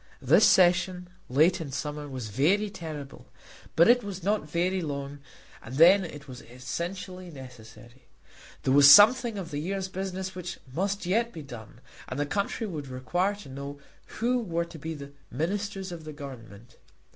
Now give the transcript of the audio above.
This session, late in summer, was very terrible; but it was not very long, and then it was essentially necessary. There was something of the year's business which must yet be done, and the country would require to know who were to be the Ministers of the Government.